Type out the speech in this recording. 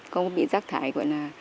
không bị rác thải gọi là